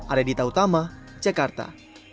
area dita utama jakarta